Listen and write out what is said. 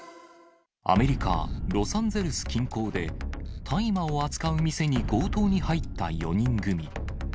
アメリカ・ロサンゼルス近郊で、大麻を扱う店に強盗に入った４人組。